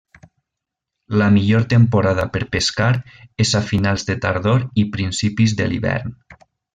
La millor temporada per pescar és a finals de tardor i principis de l'hivern.